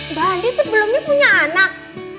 mbak andi sebelumnya punya anak